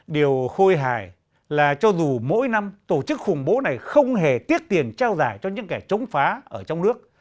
điều khôi hài là cho dù mỗi năm tổ chức khủng bố này không hề tiết tiền trao giải cho những kẻ chống phá ở trong nước